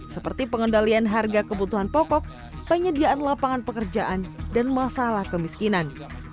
seperti pengendalian harga kebutuhan pokok penyediaan lapangan pekerjaan dan masalah kemiskinan